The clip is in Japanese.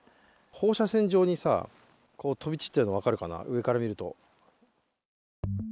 放射線状に飛び散っているのが分かるかな、上から見ると。